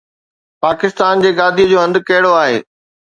پاڪستان جي گاديءَ جو هنڌ ڪهڙو آهي؟